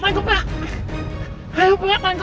tak ada apa apa pak